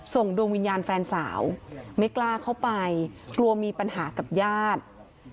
ส่งดวงวิญญาณแฟนสาวไม่กล้าเข้าไปกลัวมีปัญหากับญาติ